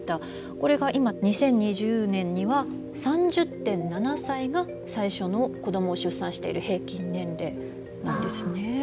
これが今２０２０年には３０．７歳が最初の子どもを出産している平均年齢なんですね。